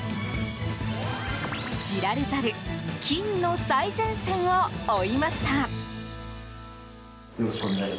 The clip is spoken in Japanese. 知られざる金の最前線を追いました。